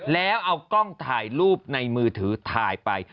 แล้วเอากล้องถ่ายรูปในมือถือถ่ายไป